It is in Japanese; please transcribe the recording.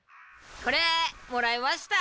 これもらいました。